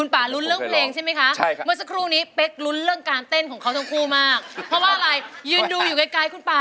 ไปฉีกเผ้าไปอย่าเก็บเอาไว้ให้มันบาดตาก